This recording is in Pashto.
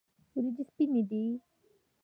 وریجې سپینې دي.